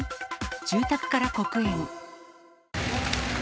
住宅から黒煙。